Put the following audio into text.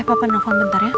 eh papa nelfon bentar ya